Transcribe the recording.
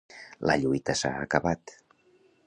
La lluita s'ha acabat.